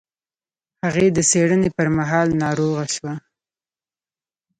هغې د څېړنې پر مهال ناروغه شوه.